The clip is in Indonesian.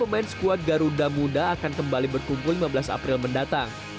pemain skuad geruda muda akan kembali berkumpul lima belas april mendatang